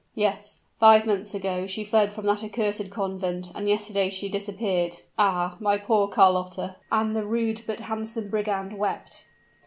Yes five months ago she fled from that accursed convent and yesterday she disappeared. Ah! my poor Carlotta!" And the rude but handsome brigand wept.